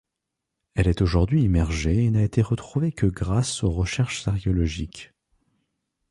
Elle est aujourd'hui immergée et n'a été retrouvé que grâces aux recherches archéologiques.